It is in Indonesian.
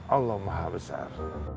allah maha besar